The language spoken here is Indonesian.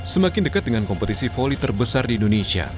semakin dekat dengan kompetisi voli terbesar di indonesia